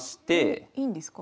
おっいいんですか？